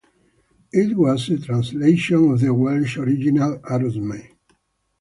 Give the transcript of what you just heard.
It was a translation of the Welsh original, "Aros Mae".